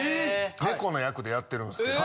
猫の役でやってるんですけど。